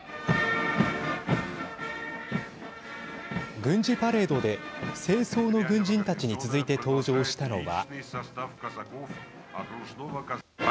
軍事パレードで正装の軍人たちに続いて登場したのは。